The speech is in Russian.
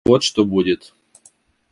Вот что будет.